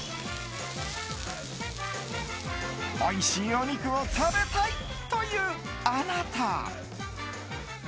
おいしいお肉を食べたいというあなた。